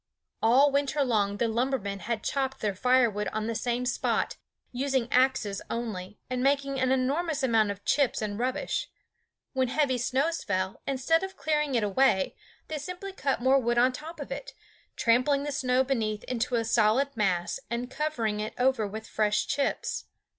All winter long the lumbermen had chopped their fire wood on the same spot, using axes only, and making an enormous amount of chips and rubbish. When heavy snows fell, instead of clearing it away, they simply cut more wood on top of it, tramping the snow beneath into a solid mass and covering it over with fresh chips.